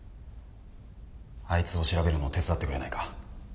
あいつを調べるのを手伝ってくれないか？